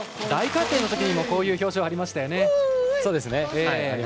大回転のときにもこういう表情ありましたよね。